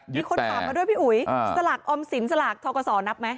มีคนถามมาด้วยพี่อุ๋ยสลักอมสินสลักทรกสอนับมั้ย